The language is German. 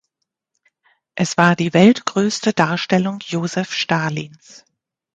Es war die weltgrößte Darstellung Josef Stalins.